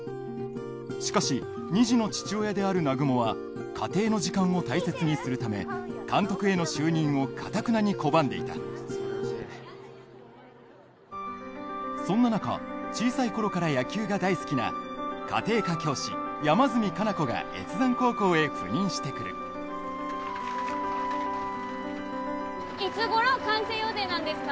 しかし二児の父親である南雲は家庭の時間を大切にするため監督への就任を頑なに拒んでいたそんな中小さい頃から野球が大好きな家庭科教師山住香南子が越山高校へ赴任してくるいつ頃完成予定なんですか？